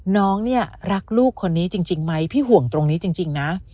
น้องเนี่ยรักลูกคนนี้จริงไหมพี่ห่วงตรงนี้จริงนะ